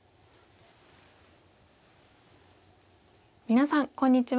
皆さんこんにちは。